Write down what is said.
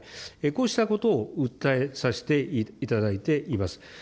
こうしたことを訴えさせていただいています。